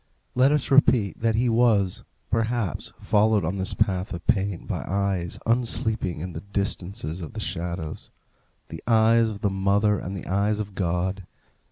Let us repeat that he was, perhaps, followed on this path of pain by eyes unsleeping in the distances of the shadows the eyes of the mother and the eyes of God.